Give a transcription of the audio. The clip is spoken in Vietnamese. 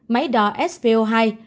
hai máy đỏ svo hai